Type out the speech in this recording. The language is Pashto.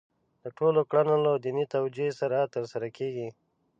د ټولو کړنې له دیني توجیه سره ترسره کېږي.